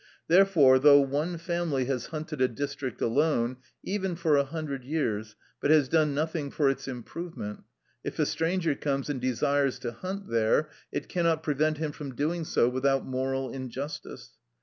Therefore, though one family has hunted a district alone, even for a hundred years, but has done nothing for its improvement; if a stranger comes and desires to hunt there, it cannot prevent him from doing so without moral injustice.